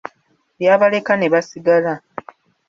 Lyabaleka ne basigala.